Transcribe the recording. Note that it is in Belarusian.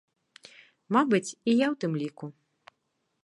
Мабыць, і я ў тым ліку.